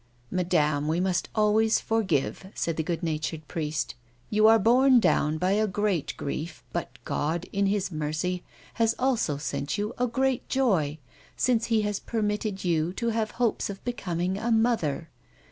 " Madame, we must always forgive," said the good natured priest. " You are borne down by a great grief, but God, in His mercy, has also sent you a great joy, since He has per mitted you to have hopes of becoming a mother.